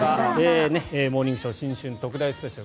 「モーニングショー新春特大スペシャル」